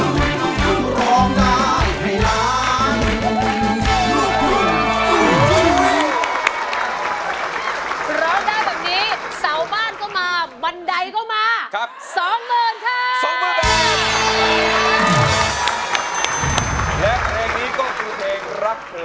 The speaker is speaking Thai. น้ำขิงร้องได้หรือว่าร้องผิดครับ